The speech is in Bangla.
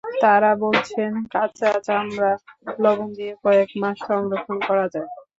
তাঁরা বলছেন, কাঁচা চামড়া লবণ দিয়ে কয়েক মাস সংরক্ষণ করা যায়।